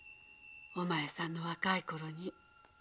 お前さんの若いころに。